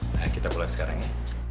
nah kita mulai sekarang ya